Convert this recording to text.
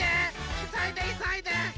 いそいでいそいで！